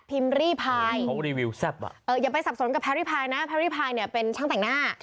พิมรี่พายอย่าไปสับสนกับแพรรี่พายนะแพรรี่พายเป็นช่างแต่งหน้า